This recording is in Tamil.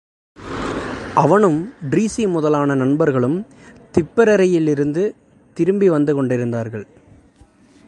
அவனும் டிரீஸி முதலான நண்பர்களும் திப்பெரரியிலிருந்து திரும்பிவந்து கொண்டிருந்தார்கள்.